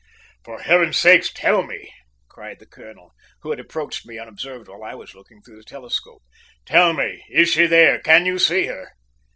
"For Heaven's sake, tell me!" cried the colonel, who had approached me unobserved while I was looking through the telescope. "Tell me, is she there? Can you see her?"